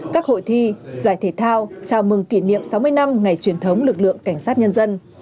các hội thi giải thể thao chào mừng kỷ niệm sáu mươi năm ngày truyền thống lực lượng cảnh sát nhân dân